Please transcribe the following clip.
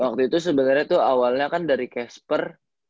waktu itu sebenarnya tuh awalnya kan dari casper